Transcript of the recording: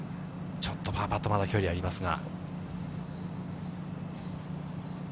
ちょっとパーパット、まだ距離ありますが、。